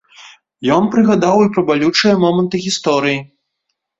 Ён прыгадваў і пра балючыя моманты гісторыі.